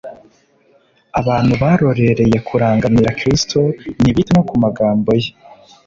abantu barorereye kurangamira kristo, ntibita no ku magambo ye